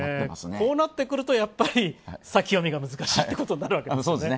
こうなってくると、やっぱり先読みが難しいということになるわけですね。